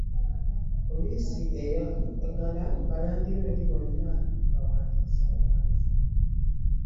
Poliisi eyagala balandiroodi bonna bawandiise abapangisa baabwe.